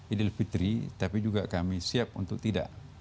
idul fitri tapi juga kami siap untuk tidak